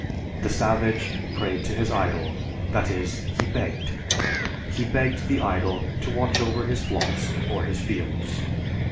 The savage prayed to his idol, that is, he begged. He begged the idol to watch over his flock or his fields.